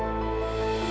iya sudah olem